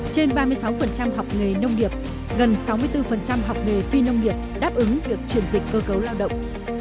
trên ba mươi sáu học nghề nông nghiệp gần sáu mươi bốn học nghề phi nông nghiệp đáp ứng việc chuyển dịch cơ cấu lao động